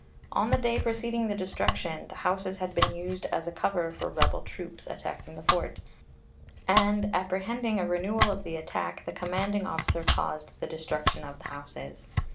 On the day preceding the destruction the houses had been used as a cover for rebel troops attacking the fort, and, apprehending a renewal of the attack, the commanding officer caused the destruction of the houses.